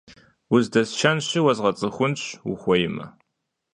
Уздэсшэнщи, уэзгъэцӀыхунщ, ухуеймэ.